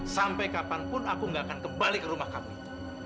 sampai kapanpun aku tidak akan kembali ke rumah kamu itu